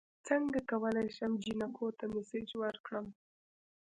څنګه کولی شم جینکو ته میسج ورکړم